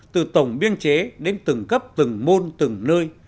từ tổng biên chế đến từng cấp từng môn từng nơi